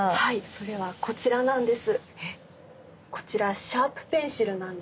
それはこちらなんです。